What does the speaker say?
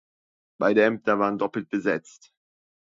Beide Ämter waren doppelt besetzt.